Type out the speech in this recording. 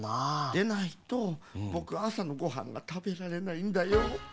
でないとぼくあさのごはんがたべられないんだよ。